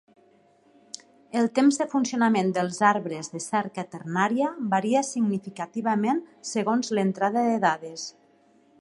El temps de funcionament dels arbres de cerca ternària varia significativament segons l'entrada de dades.